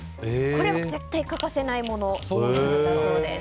これは絶対欠かせないものだそうです。